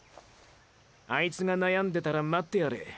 あいつが悩んでたら待ってやれ。